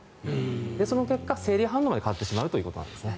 その結果、生理反応で変わってしまうということです。